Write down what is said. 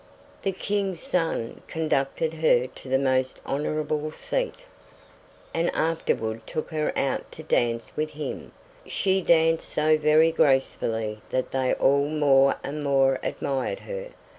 The King's son conducted her to the most honorable seat, and afterward took her out to dance with him; she danced so very gracefully that they all more and more admired her.